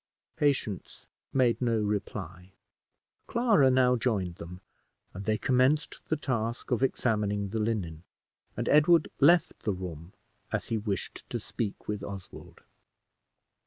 Patience made no reply. Clara now joined them, and they commenced the task of examining the linen; and Edward left the room, as he wished to speak with Oswald.